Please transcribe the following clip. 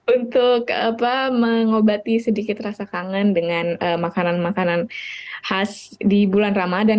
untuk mengobati sedikit rasa kangen dengan makanan makanan khas di bulan ramadhan